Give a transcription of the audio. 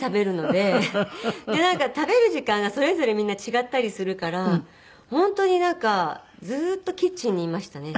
でなんか食べる時間がそれぞれみんな違ったりするから本当になんかずっとキッチンにいましたね。